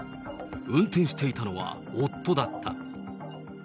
運転していたのは夫だった。